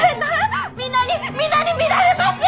皆に皆に見られます！